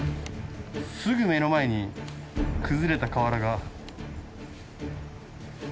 すぐ目の前に崩れた瓦が。